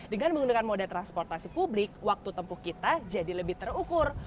dengan menggunakan moda transportasi publik waktu tempuh kita jadi lebih terukur